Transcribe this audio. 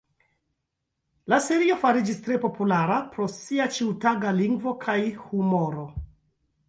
La serio fariĝis tre populara pro sia ĉiutaga lingvo kaj humoro.